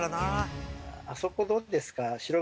あそこどうですか？